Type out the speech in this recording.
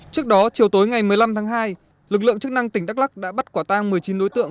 trước đó chiều tối ngày một mươi năm tháng hai lực lượng chức năng tỉnh đắk lắc đã bắt quả tang một mươi chín đối tượng